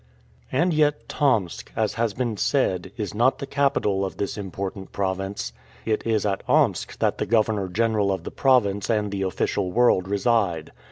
And yet Tomsk, as has been said, is not the capital of this important province. It is at Omsk that the Governor General of the province and the official world reside.